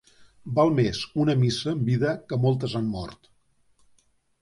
Val més una missa en vida que moltes en mort.